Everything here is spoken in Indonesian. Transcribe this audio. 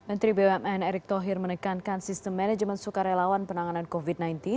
menteri bumn erick thohir menekankan sistem manajemen sukarelawan penanganan covid sembilan belas